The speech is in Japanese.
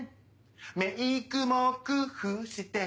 メイクも工夫して